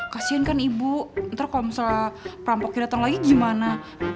kasian kan ibu ntar kalau misalnya perampoknya datang lagi gimana